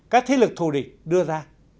các thế lực thù địch đưa ra